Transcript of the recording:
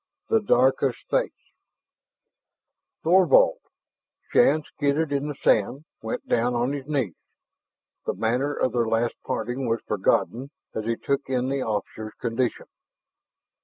"... the dark of space " "Thorvald!" Shann skidded in the sand, went down on his knees. The manner of their last parting was forgotten as he took in the officer's condition.